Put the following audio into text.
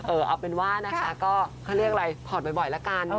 เอาเป็นว่านะคะก็เขาเรียกอะไรถอดบ่อยละกัน